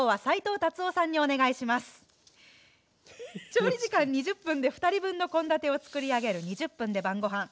調理時間２０分で２人分の献立を作り上げる「２０分で晩ごはん」。